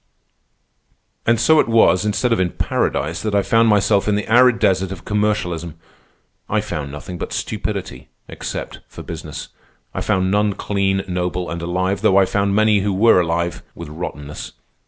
"And so it was, instead of in paradise, that I found myself in the arid desert of commercialism. I found nothing but stupidity, except for business. I found none clean, noble, and alive, though I found many who were alive—with rottenness.